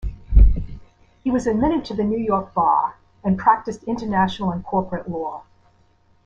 He was admitted to the New York bar and practiced international and corporate law.